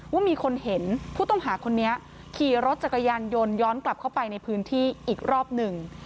ว่ามีคนเห็นผู้ต้องหาคนนี้ขี่รถจักรยานยนต์ย้อนกลับเข้าไปในพื้นที่อีกรอบหนึ่ง